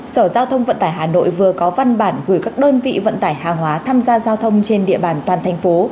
sở giao thông vận tải hà nội vừa có văn bản gửi các đơn vị vận tải hàng hóa tham gia giao thông trên địa bàn toàn thành phố